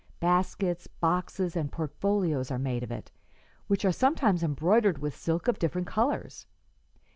Baskets, boxes and portfolios are made of it, which are sometimes embroidered with silk of different colors.